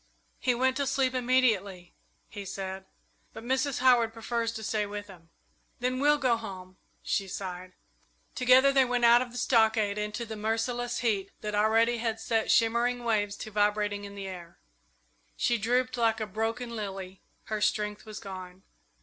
"He went to sleep immediately," he said; "but Mrs. Howard prefers to stay with him." "Then we'll go home," she sighed. Together they went out of the stockade into the merciless heat that already had set shimmering waves to vibrating in the air. She drooped like a broken lily her strength was gone.